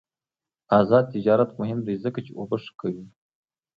آزاد تجارت مهم دی ځکه چې اوبه ښه کوي.